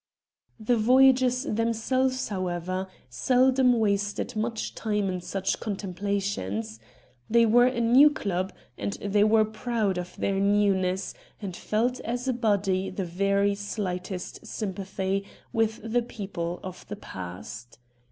The Voyagers themselves, however, seldom wasted much time in such contemplations. They were a new club, and they were proud of their newness, and felt as a body the very slightest sympathy with the people of the past.